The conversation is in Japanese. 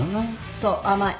そう甘い。